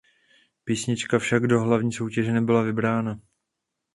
Písnička však do hlavní soutěže nebyla vybrána.